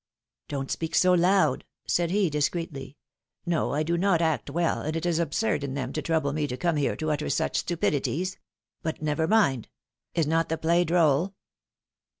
Don^t speak so loud,^^ said he, discreetly. No, I do not act well, and it is absurd in them to trouble me to come here to utter such stupidities. But, never mind. Is not the play droll